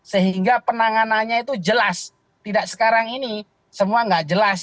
sehingga penanganannya itu jelas tidak sekarang ini semua nggak jelas